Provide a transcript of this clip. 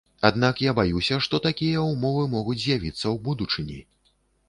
Аднак я баюся, што такія ўмовы могуць з'явіцца ў будучыні.